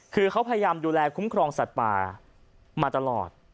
คือเขาพยายามดูแลคุ้มครองสัตว์ป่ามาตลอด